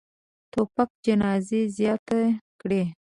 توپک جنازې زیاتې کړي.